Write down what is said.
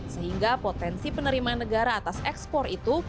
sehingga potensi penerimaan negara atas ekspor itu